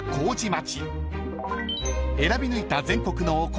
［選び抜いた全国のお米